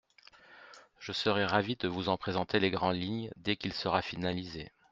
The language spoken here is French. Je serai ravie de vous en présenter les grandes lignes dès qu’il sera finalisé.